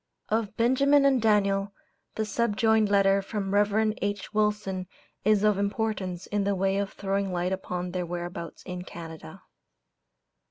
Of Benjamin and Daniel, the subjoined letter from Rev. H. Wilson is of importance in the way of throwing light upon their whereabouts in Canada: ST.